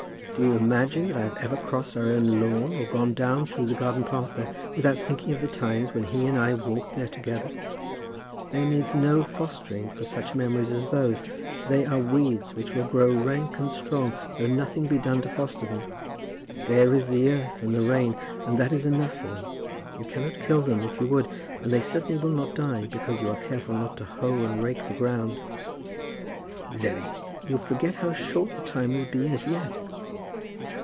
Do you imagine that I have ever crossed our own lawn, or gone down through the garden path there, without thinking of the times when he and I walked there together? There needs no fostering for such memories as those. They are weeds which will grow rank and strong though nothing be done to foster them. There is the earth and the rain, and that is enough for them. You cannot kill them if you would, and they certainly will not die because you are careful not to hoe and rake the ground." "Lily, you forget how short the time has been as yet."